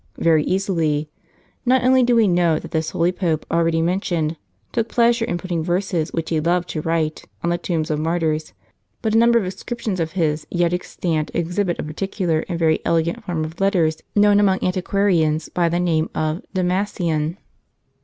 Very easily. Not only do we know that this holy pope, already mentioned, took pleasure in putting verses, which he loved to write, on the tombs of martyrs, * but the number of inscriptions of his yet extant exhibit a particu lar and very elegant form of letters, known among antiquari Saint Cornelius and Saint Cyprian, from Be Rossi's "Roma Sotteranea," ans by the name of "Damasian."